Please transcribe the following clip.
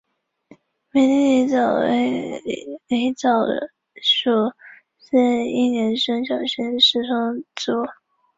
美丽狸藻为狸藻属似一年生小型食虫植物。